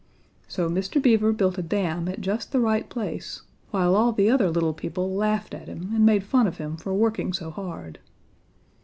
"So Mr. Beaver built a dam at just the right place, while all the other little people laughed at him and made fun of him for working so hard.